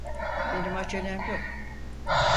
Benim acelem yok.